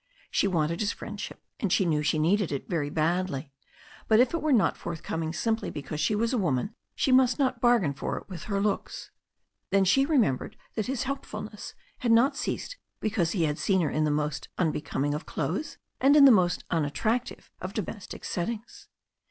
She wanted his friendship, and she knew she needed it very badly, but if it were not forthcoming simply because she was a woman she must not bargain for' it with her looks. Then she remembered that his helpfulness had not ceased because he had seen her in the most unbecoming of clothes and in the most unattractive of domestic settings.